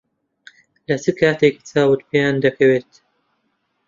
لە چ کاتێک چاوت پێیان دەکەوێت؟